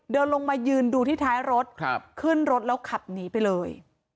เดินลงมายืนดูที่ท้ายรถขึ้นรถแล้วขับหนีไปเลย